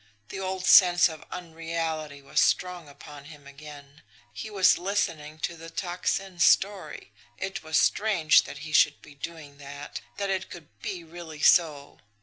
The old sense of unreality was strong upon him again. He was listening to the Tocsin's story. It was strange that he should be doing that that it could be really so!